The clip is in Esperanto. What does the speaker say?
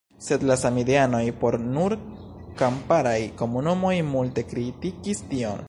Sed la samideanoj por nur kamparaj komunumoj multe kritikis tion.